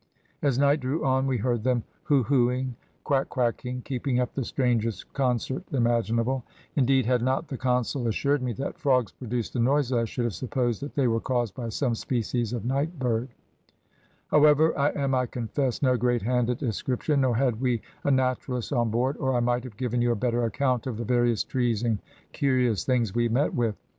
As night drew on, we heard them `hoo hooing, quack quacking,' keeping up the strangest concert imaginable; indeed, had not the consul assured me that frogs produced the noises, I should have supposed that they were caused by some species of nightbird; however, I am, I confess, no great hand at description, nor had we a naturalist on board, or I might have given you a better account of the various trees and curious things we met with.